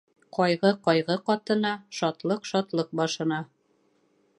Ҡайғы ҡайғы ҡатына, шатлыҡ шатлыҡ башына.